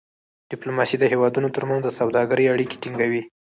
ډيپلوماسي د هېوادونو ترمنځ د سوداګری اړیکې ټینګوي.